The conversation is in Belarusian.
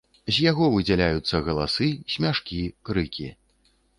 З яго выдзяляюцца галасы, смяшкі, крыкі.